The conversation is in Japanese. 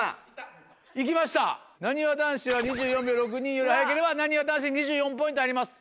いきましたなにわ男子は２４秒６２より早ければなにわ男子に２４ポイントあげます。